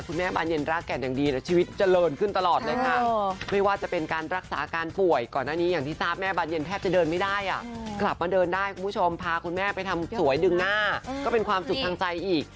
คุณแม่ไปทำสวยดึงหน้าก็เป็นความสุขทางใจอีก